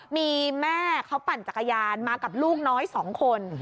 มีแม่เขาปั่นจักรยานมากับลูกน้อย๒คน